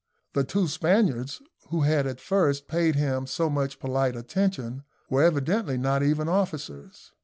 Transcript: The two Spaniards, who had at first paid him so much polite attention, were evidently not even officers.